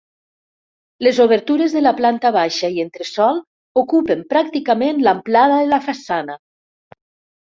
Les obertures de la planta baixa i entresòl ocupen pràcticament l'amplada de la façana.